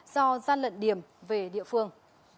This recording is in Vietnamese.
do gian lận điểm về địa phương